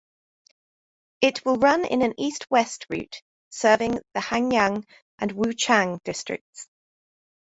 It will run in an east-west route serving the Hanyang and Wuchang distincts.